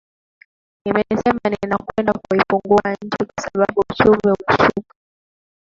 Nimesema ninakwenda kuifungua nchi kwa sababu uchumi umeshuka